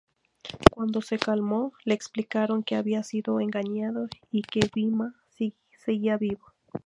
Cuando se calmó, le explicaron que había sido engañado y que Bhima seguía vivo.